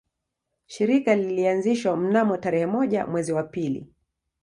Shirika lilianzishwa mnamo tarehe moja mwezi wa pili